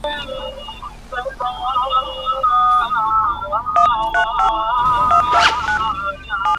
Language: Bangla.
মালী বাগানে কাজ করছিল, আমি পাহাড় দেখছিলাম।